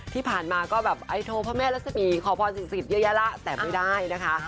พี่ผ่านมาก็แบบโทรพระแม่และสมีย์ขอพรสิทธิ์เยอะละแต่ไม่ได้นะคะ